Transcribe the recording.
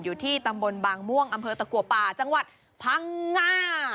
อยู่ที่ตำบลบางม่วงอำเภอตะกัวป่าจังหวัดพังงา